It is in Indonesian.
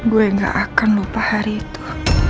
gue gak akan lupa hari itu